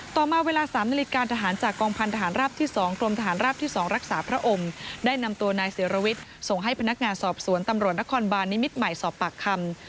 ต่อมาเวลา๓นาฬิกาทหารจากกองพันธหารราบที่๒กรมทหารราบที่๒รักษาพระองค์ได้นำตัวนายศิรวิทย์ส่งให้พนักงานสอบสวนตำรวจนครบาลนิมิตรใหม่สอบปากคำ